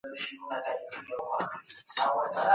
ذهني حالتونه ډېر ډولونه لري.